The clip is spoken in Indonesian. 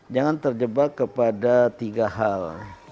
jangan terjebak kepada tiga hal